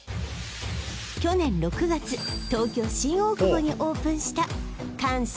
去年６月東京新大久保にオープンした感謝